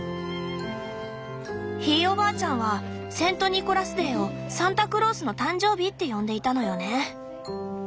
ひいおばあちゃんはセント・ニコラスデーを「サンタクロースの誕生日」って呼んでいたのよね。